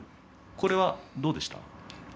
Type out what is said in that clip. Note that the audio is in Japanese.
これはどうでしたか？